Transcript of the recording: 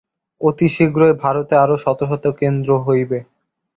অতি শীঘ্রই ভারতে আরও শত শত কেন্দ্র হইবে।